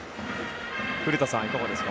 古田さん、いかがですか？